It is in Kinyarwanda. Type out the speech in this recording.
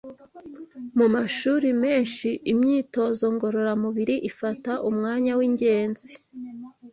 Mu mashuri menshi, imyitozo ngororamubiri ifata umwanya w’ingenzi